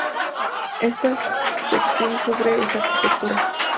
Esta sección cubre esa arquitectura.